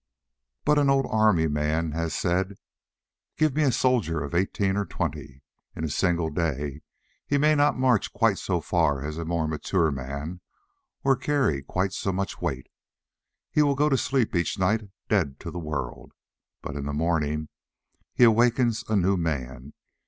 But an old army man has said: "Give me a soldier of eighteen or twenty. In a single day he may not march quite so far as a more mature man or carry quite so much weight. He will go to sleep each night dead to the world. But in the morning he awakens a new man.